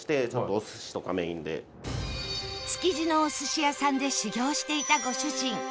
築地のお寿司屋さんで修業していたご主人